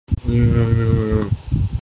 جسم سے روح بھی نکلےہوئے کئی زمانے گزر گے ہیں